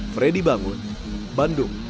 freddy bangun bandung jawa barat